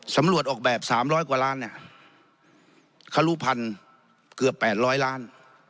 สำรวจออกแบบสามร้อยกว่าล้านเนี้ยคลุพันเกือบแปดร้อยล้าน